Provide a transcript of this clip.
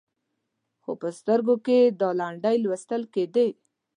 خو په سترګو کې یې دا لنډۍ لوستل کېدې.